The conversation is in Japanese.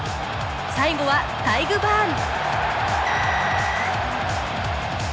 最後はタイグ・バーン！